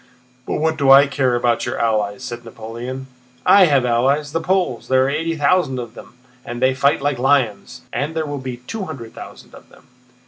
"But what do I care about your allies?" said Napoleon. "I have allies—the Poles. There are eighty thousand of them and they fight like lions. And there will be two hundred thousand of them."